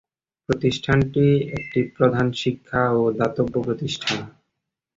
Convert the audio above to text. প্রতিষ্ঠানটি একটি প্রধান শিক্ষা ও দাতব্য প্রতিষ্ঠান।